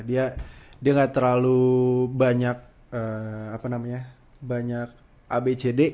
dia nggak terlalu banyak abcd